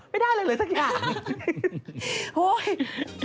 ไม่ได้เลยสักอย่าง